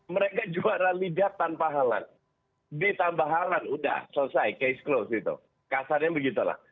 mereka juara liga tanpa haalan ditambah haalan udah selesai case closed gitu kasarnya begitulah